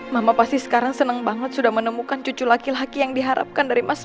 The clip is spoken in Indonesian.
mama pasti sekarang senang banget sudah menemukan cucu laki laki yang diharapkan dari mas